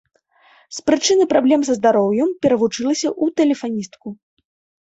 З прычыны праблем са здароўем перавучылася ў тэлефаністку.